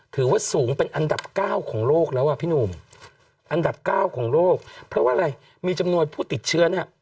ถือว่าสูงเป็นอันดับเก้าของโลกแล้วอ่ะพี่หนุ่มอันดับเก้าของโลกเพราะว่าอะไรมีจำนวนผู้ติดเชื้อเนี่ย